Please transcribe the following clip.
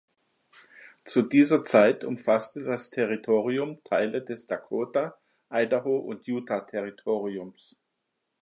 Zu dieser Zeit umfasste das Territorium Teile des Dakota-, Idaho- und Utah-Territoriums.